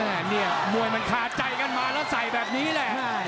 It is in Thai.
เนี่ยมวยมันคาใจกันมาแล้วใส่แบบนี้แหละ